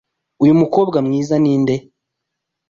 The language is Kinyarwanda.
Uyu mukobwa mwiza ninde?